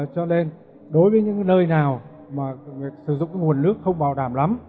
cho nên đối với những nơi nào mà việc sử dụng nguồn nước không bảo đảm lắm